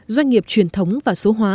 doanh nghiệp truyền thống và số hóa